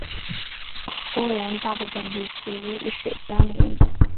公园大部分地区与水相邻。